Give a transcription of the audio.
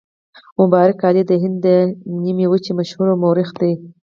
مبارک علي د هند د نیمې وچې مشهور مورخ دی.